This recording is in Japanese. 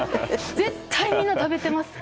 絶対にみんな食べてますって！